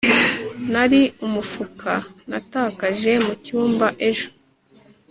nari umufuka natakaje mucyumba ejo